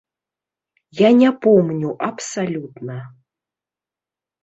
Я не помню абсалютна.